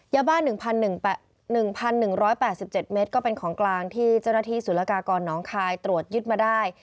ยาบ้า๑๑๘๗เมตรก็เป็นของกลางที่เจ้าหน้าที่สุรกากรน้องคายตรวจยึดมาได้